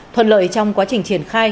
thuận lợi trong quá trình triển khai